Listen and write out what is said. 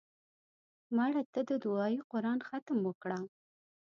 مړه ته د دعایي قرآن ختم وکړه